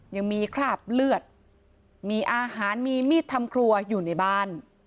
ยังมีคราบเลือดมีอาหารมีมีดทำครัวอยู่ในบ้าน